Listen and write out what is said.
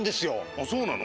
あっそうなの？